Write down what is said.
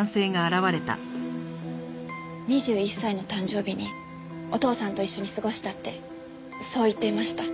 ２１歳の誕生日にお父さんと一緒に過ごしたってそう言っていました。